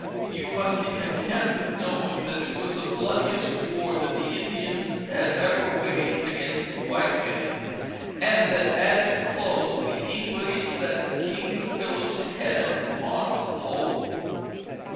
You must be content with knowing that it was the bloodiest war that the Indians had ever waged against the white men; and that, at its close, the English set King Philip's head upon a pole."